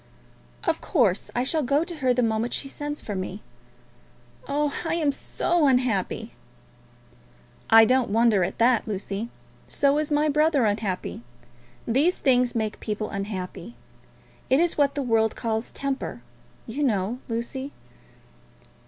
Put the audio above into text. "Of course, I shall go to her the moment she sends for me. Oh, I am so unhappy!" "I don't wonder at that, Lucy. So is my brother unhappy. These things make people unhappy. It is what the world calls temper, you know, Lucy."